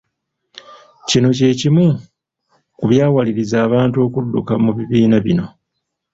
Kino kyekimu ku byawaliriza abantu okudduka mu bibiina bino.